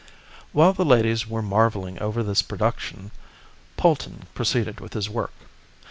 While the ladies were marvelling over this production, Polton proceeded with his work.